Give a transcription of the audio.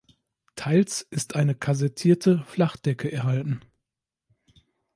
Teils ist eine kassettierte Flachdecke erhalten.